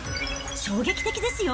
衝撃的ですよ。